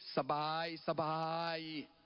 สบายสบาย